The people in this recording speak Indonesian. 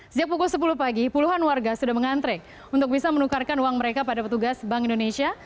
sejak pukul sepuluh pagi puluhan warga sudah mengantre untuk bisa menukarkan uang mereka pada petugas bank indonesia